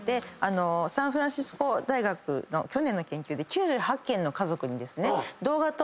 サンフランシスコ大学の去年の研究で９８軒の家族に。